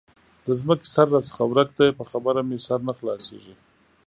د ځمکې سره راڅخه ورک دی؛ په خبره مې سر نه خلاصېږي.